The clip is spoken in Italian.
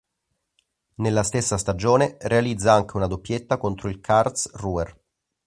Nella stessa stagione realizza anche una doppietta contro il Karlsruher.